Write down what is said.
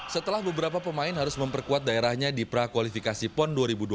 setelah beberapa pemain harus memperkuat daerahnya di prakualifikasi pon dua ribu dua puluh